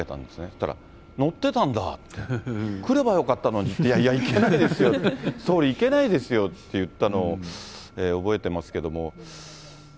そしたら、乗ってたんだ、来ればよかったのにって、いやいや、行けないですよ、総理、行けないですよって言ったのを覚えてますけども。